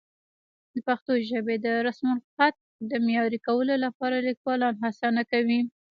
د پښتو ژبې د رسمالخط د معیاري کولو لپاره لیکوالان هڅه نه کوي.